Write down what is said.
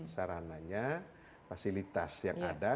sarananya fasilitas yang ada